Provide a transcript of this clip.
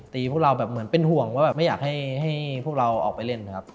พวกเราแบบเหมือนเป็นห่วงว่าแบบไม่อยากให้พวกเราออกไปเล่นครับ